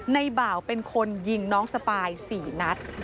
บ่าวเป็นคนยิงน้องสปาย๔นัด